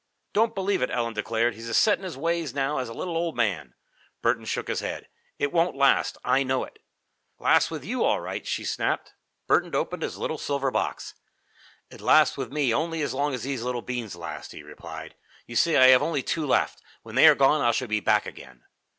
"Don't believe it," Ellen declared. "He's as set in his ways now as a little old man." Burton shook his head. "It won't last, I know it." "Lasts with you all right!" she snapped. Burton opened his little silver box. "It lasts with me only as long as these little beans last," he replied. "You see, I have only two left. When they are gone, I shall be back again."